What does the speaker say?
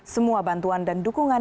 semua bantuan dan dukungan